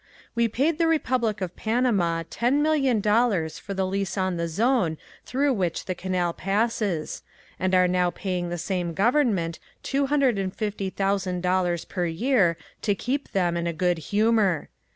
We paid the Republic of Panama ten million dollars for the lease on the zone through which the canal passes, and are now paying the same government two hundred and fifty thousand dollars per year to keep them in a good humor.